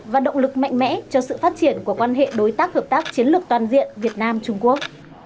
và động lực mạnh mẽ cho sự phát triển của quan hệ đối tác hợp tác chiến lược toàn diện việt nam trung quốc